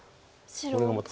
これがまた。